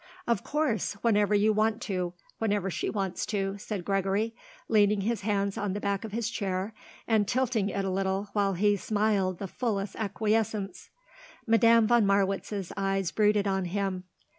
"Of course; whenever you want to; whenever she wants to," said Gregory, leaning his hands on the back of his chair and tilting it a little while he smiled the fullest acquiescence. Madame von Marwitz's eyes brooded on him.